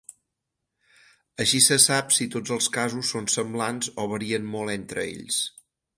Així se sap si tots els casos són semblants o varien molt entre ells.